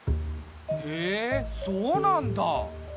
へえそうなんだ。